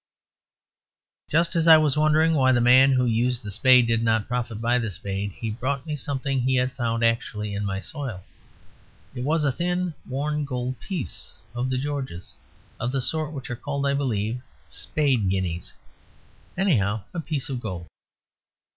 Just as I was wondering why the man who used the spade did not profit by the spade, he brought me something he had found actually in my soil. It was a thin worn gold piece of the Georges, of the sort which are called, I believe, Spade Guineas. Anyhow, a piece of gold.